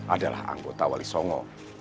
adalah anggota wali songo